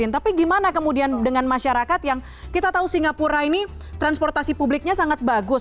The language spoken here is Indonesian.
tapi gimana kemudian dengan masyarakat yang kita tahu singapura ini transportasi publiknya sangat bagus